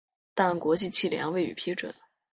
但国际汽联未予批准。